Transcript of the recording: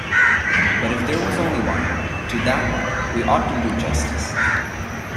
But if there was only one-- to that one, we ought to do justice.